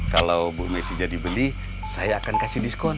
kalau bu messi jadi beli saya akan kasih diskon